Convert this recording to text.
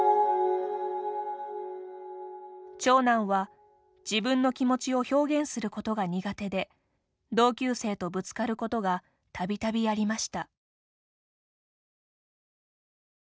長男は、自分の気持ちを表現することが苦手で同級生とぶつかることがたびたびありました。